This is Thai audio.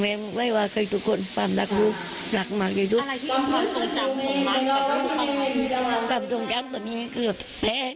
เรียกลัวพี่ธรรมชายเพื่อดูดั้งดีแล้ว